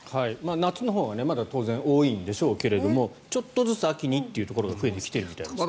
夏のほうがまだ当然多いんでしょうけれどちょっとずつ秋にというところが増えてきているみたいですね。